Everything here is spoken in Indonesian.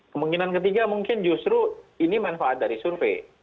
kemungkinan ketiga mungkin justru ini manfaat dari survei